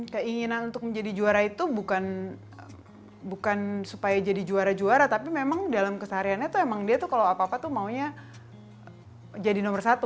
keinginan untuk menjadi juara itu bukan supaya jadi juara juara tapi memang dalam kesehariannya tuh emang dia tuh kalau apa apa tuh maunya jadi nomor satu